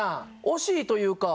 惜しいというか。